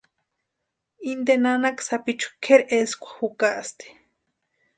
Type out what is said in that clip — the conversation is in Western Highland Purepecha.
Inte nanaka sapichu kʼeri eskwa jukasti.